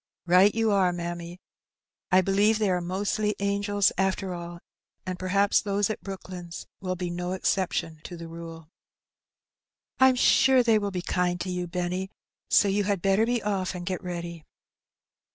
"Right you are, mammy; I believe they are mostly angels after all, and perhaps those at Brooklands wiU be no exception to the rule." '^Vm. sure they will be kind to you, Benny; so you had better be off and get ready.''